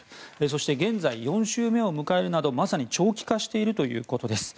そして現在、４週目を迎えるなどまさに長期化しているということです。